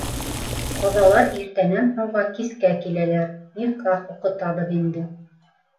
Ҡоҙалар иртәнән һуңға кискә киләләр, никах уҡытабыҙ инде.